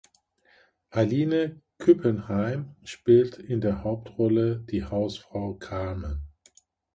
Aline Küppenheim spielt in der Hauptrolle die Hausfrau Carmen.